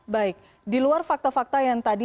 baik di luar fakta fakta yang tadi